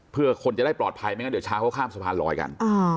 เพื่อคนจะได้ปลอดภัยไม่งั้นเดี๋ยวเช้าเขาข้ามสะพานลอยกัน